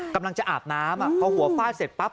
กำลังจะอาบน้ำพอหัวฟาดเสร็จปั๊บ